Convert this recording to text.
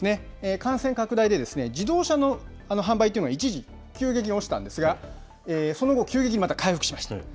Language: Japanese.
感染拡大で、自動車の販売というのが一時、急激に落ちたんですが、その後、急激にまた回復しました。